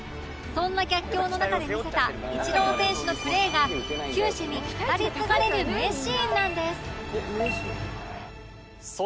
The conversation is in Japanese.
そんな逆境の中で見せたイチロー選手のプレーが球史に語り継がれる名シーンなんです